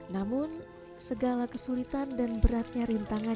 namun segala kesulitan dan beratnya rintangan